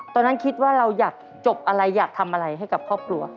ตอนนั้นคิดว่าเราอยากจบอะไรอยากทำอะไรให้กับครอบครัว